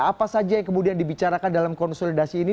apa saja yang kemudian dibicarakan dalam konsolidasi ini